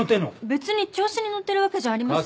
別に調子に乗ってるわけじゃありません。